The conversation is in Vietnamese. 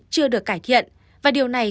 chưa được cải thiện và điều này